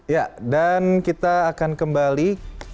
ya dan kita akan kembali